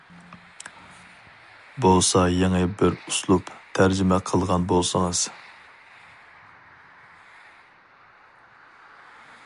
بولسا يېڭى بىر ئۇسلۇب تەرجىمە قىلغان بولسىڭىز.